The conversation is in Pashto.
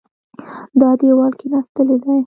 دا دېوال کېناستلی دی.